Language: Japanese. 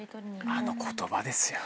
あの言葉ですよ。